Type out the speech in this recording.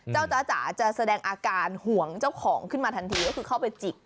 จ๊ะจ๋าจะแสดงอาการห่วงเจ้าของขึ้นมาทันทีก็คือเข้าไปจิก